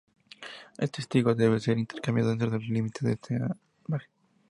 El testigo debe ser intercambiado dentro de los límites de ese margen.